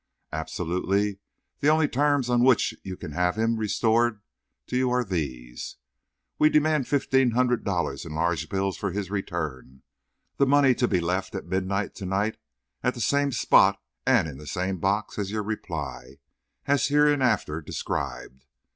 Absolutely, the only terms on which you can have him restored to you are these: We demand fifteen hundred dollars in large bills for his return; the money to be left at midnight to night at the same spot and in the same box as your reply—as hereinafter described.